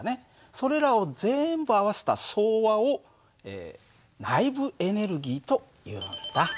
それらを全部合わせた総和を内部エネルギーというんだ。